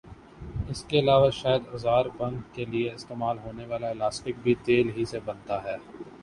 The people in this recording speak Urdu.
اس کے علاوہ شاید آزار بند کیلئے استعمال ہونے والا الاسٹک بھی تیل ہی سے بنتا ھے